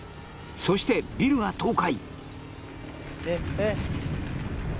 そしてビルが倒壊